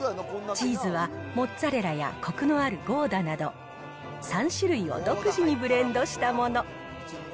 チーズはモッツァレラやこくのあるゴーダなど、３種類を独自にブレンドしたもの。